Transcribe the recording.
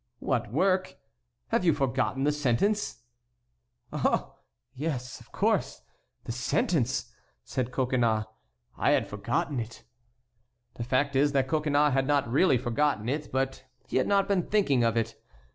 "What work? Have you forgotten the sentence?" "Ah! yes, of course! the sentence!" said Coconnas; "I had forgotten it." The fact is that Coconnas had not really forgotten it, but he had not been thinking of it.